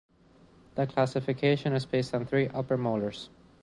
The classification is based on three upper molars.